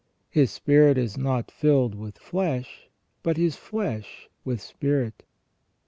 His spirit is not filled with flesh, but His flesh with spirit.